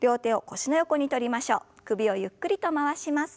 首をゆっくりと回します。